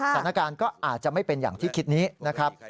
สถานการณ์ก็อาจจะไม่เป็นอย่างที่คิดนี้นะครับ